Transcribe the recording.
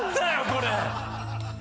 ⁉これ！